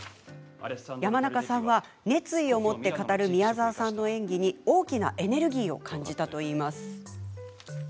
山中さんは、熱意を持って語る宮沢さんの演技に大きなエネルギーを感じたといいます。